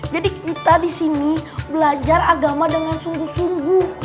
jadi kita disini belajar agama dengan sungguh sungguh